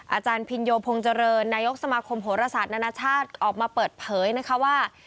อาจารย์พินโยพงษ์เจริญนายกสมาคมโหรศาสตร์นานาชาติออกมาเปิดเผยนะคะว่า